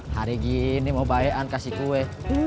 hari gini mau baikan kasih kue